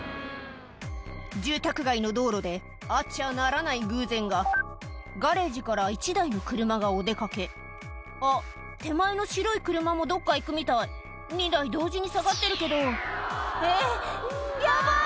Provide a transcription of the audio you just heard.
住宅街の道路であっちゃならない偶然がガレージから１台の車がお出掛けあっ手前の白い車もどっか行くみたい２台同時に下がってるけどえっヤバい！